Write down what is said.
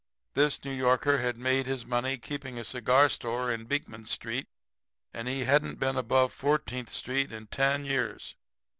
"This New Yorker had made his money keeping a cigar store in Beekman street, and he hadn't been above Fourteenth street in ten years.